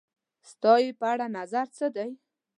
ستا یی په اړه نظر څه دی؟